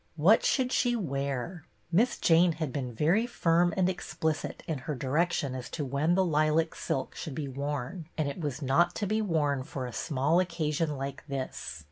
What should she wear.? Miss Jane had been very firm and explicit in her direction as to when the lilac silk should be worn; and it was not to be worn for a small occasion like this.